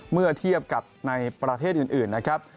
เมื่อเทียบกับในประเทศอื่นนะครับ